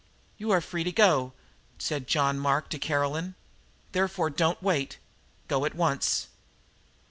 "You are free to go," said John Mark to Caroline. "Therefore don't wait. Go at once."